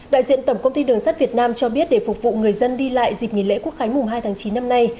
đại diện tổng công ty đường sắt việt nam cho biết để phục vụ người dân đi lại dịp nghỉ lễ quốc khánh mùng hai tháng chín năm nay